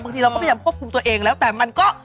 บางทีเราก็พยายามควบคุมตัวเองแล้วแต่มันก็